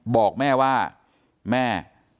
บอกแม่ว่าแม่